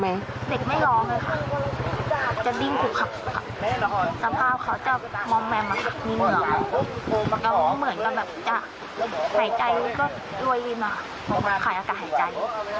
จะบินกลุ่มค่ะสภาพเขาจะมองแม่ม้าค่ะมีเหนื่อยแล้วก็เหมือนกันแบบจะหายใจก็รวยริญมาค่ะมีไก่อากาศหายใจ